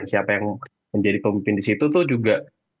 siapa yang menjadi pemimpin di situ tuh juga